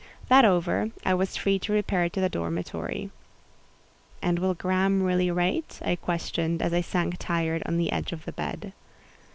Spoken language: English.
That over, I was free to repair to the dormitory. "And will Graham really write?" I questioned, as I sank tired on the edge of the bed.